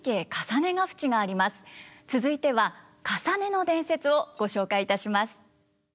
続いては「累の伝説」をご紹介いたします。